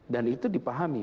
dan itu dipahami